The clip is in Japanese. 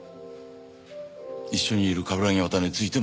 一緒にいる冠城亘についてもそうだ。